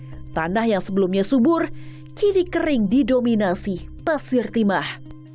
pertambangan yang sebelumnya subur kiri kering didominasi pasir timah